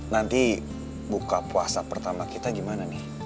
nanti buka puasa pertama kita gimana nih